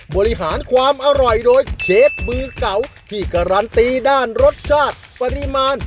บริหารความอร่อยโดยเชฟมือเก่าที่การันตีด้านรสชาติปริมาณ